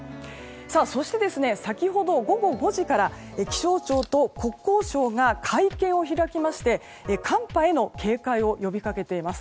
そして、先ほど午後５時から気象庁と国交省が会見を開きまして寒波への警戒を呼びかけています。